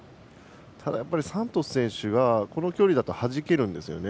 ただ、サントス選手はこの距離だとはじけるんですよね。